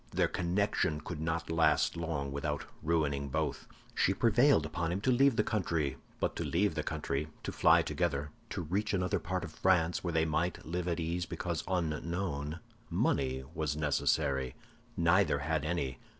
Their connection could not last long without ruining both. She prevailed upon him to leave the country; but to leave the country, to fly together, to reach another part of France, where they might live at ease because unknown, money was necessary. Neither had any.